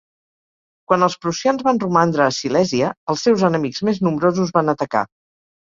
Quan els prussians van romandre a Silèsia, els seus enemics més nombrosos van atacar.